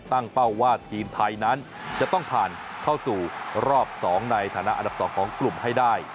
เป้าว่าทีมไทยนั้นจะต้องผ่านเข้าสู่รอบ๒ในฐานะอันดับ๒ของกลุ่มให้ได้